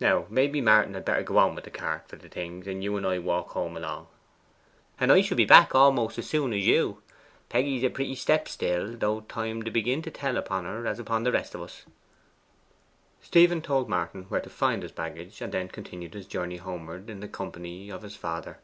Now, maybe, Martin had better go on wi' the cart for the things, and you and I walk home along.' 'And I shall be back a'most as soon as you. Peggy is a pretty step still, though time d' begin to tell upon her as upon the rest o' us.' Stephen told Martin where to find his baggage, and then continued his journey homeward in the company of his father.